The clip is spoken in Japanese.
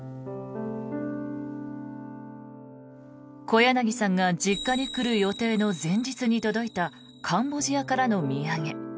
小柳さんが実家に来る予定の前日に届いたカンボジアからの土産。